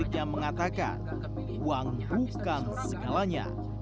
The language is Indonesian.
yang mengatakan uang bukan segalanya